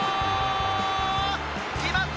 決まった！